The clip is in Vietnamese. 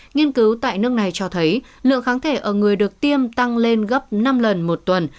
nghiên cứu tại nước này cho thấy lượng kháng thể ở người được tiêm tăng lên gấp năm lần một tuần